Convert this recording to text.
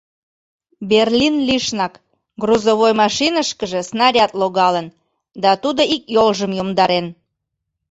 Берлин лишнак грузовой машинышкыже снаряд логалын да тудо ик йолжым йомдарен.